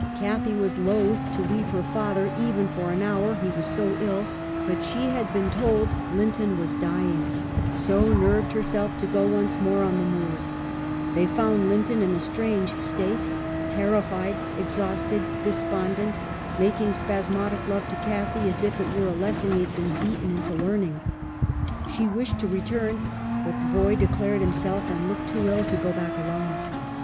Cathy was loath to leave her father even for an hour, he was so ill ; but she had been told Lin ton was dying, so nerved herself to go once more on the moors : they found Linton in a strange state, terrified, exhausted, despondent, making spasmodic love to Cathy as if it were a lesson he had been beaten into learning. She wished to return, but the boy declared himself, and looked, too ill to go back alone.